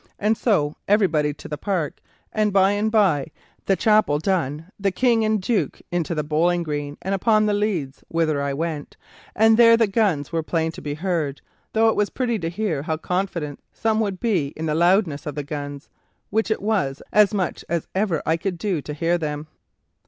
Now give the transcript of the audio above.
And so everybody to the park, and by and by the chapel done, the King and Duke into the bowling green and upon the leads, whither I went, and there the guns were plain to be heard; though it was pretty to hear how confident some would be in the loudness of the guns, which it was as much as ever I could do to hear them."